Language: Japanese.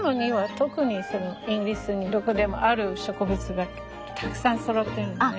特にイギリスにどこでもある植物がたくさんそろってるのね。